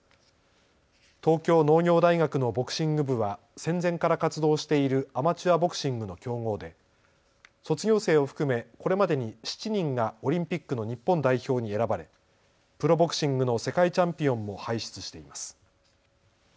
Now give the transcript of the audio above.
東京農業大学のボクシング部は戦前から活動しているアマチュアボクシングの強豪で卒業生を含めこれまでに７人がオリンピックの日本代表に選ばれプロボクシングの世界チャンピオンも輩出しています。